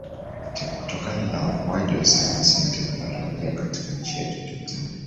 kutokana na ukuaji wa sayansi na technolojia katika nchi yetu ya Tanzania